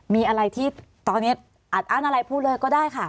มีอะไรที่ตอนนี้อัดอั้นอะไรพูดเลยก็ได้ค่ะ